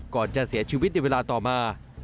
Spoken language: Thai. ก่อนจะเสียชีวิตในเวลาต่อมา